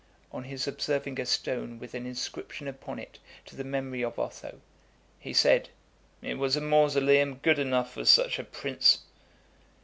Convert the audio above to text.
On his observing a stone with an inscription upon it to the memory of Otho, he said, "It was a mausoleum good enough for such a prince."